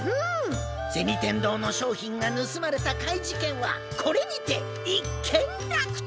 銭天堂の商品がぬすまれた怪事件はこれにて一件落着！